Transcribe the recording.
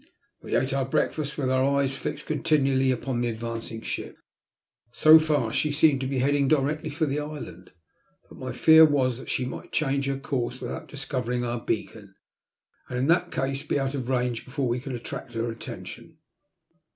We ate our breakfast with our eyes flxed continually upon the advancing ship. So far she seemed to be heading directly for the island, but my fear was that she might change her course without discovering our beacon, and in that case be out of range before we could attract her attention.